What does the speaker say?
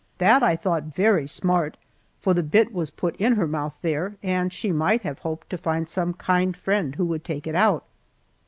That I thought very smart, for the bit was put in her mouth there, and she might have hoped to find some kind friend who would take it out.